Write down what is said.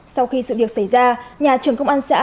sau khi sự việc xảy ra nhà trưởng công an xã